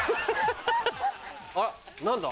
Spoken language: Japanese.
あら何だ？